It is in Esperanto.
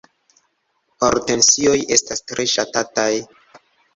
Hortensioj estas tre ŝatataj.